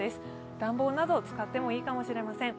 暖房など使ってもいいかもしれません。